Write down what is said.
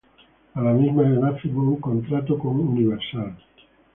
A la misma edad, firmó un contrato con Universal.